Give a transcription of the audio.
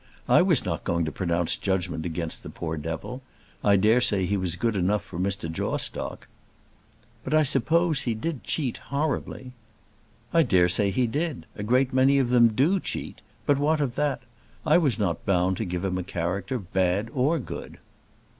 I was not going to pronounce judgment against the poor devil. I daresay he was good enough for Mr. Jawstock." "But I suppose he did cheat horribly." "I daresay he did. A great many of them do cheat. But what of that? I was not bound to give him a character, bad or good."